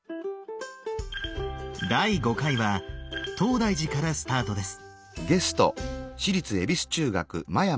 第５回は東大寺からスタートです。